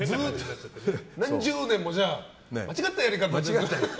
何十年も間違ったやり方で。